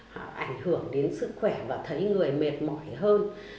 họ ảnh hưởng đến sức khỏe và thấy người mệt mỏi hơn